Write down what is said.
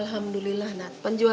keb debating mah